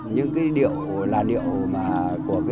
những cái điệu là điệu mà